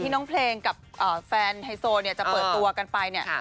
น้องเพลงกับแฟนไฮโซเนี่ยจะเปิดตัวกันไปเนี่ย